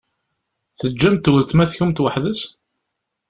Teǧǧamt weltma-tkent weḥd-s?